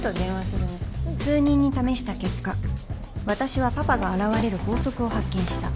数人に試した結果私はパパが現れる法則を発見した